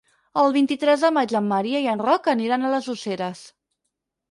El vint-i-tres de maig en Maria i en Roc aniran a les Useres.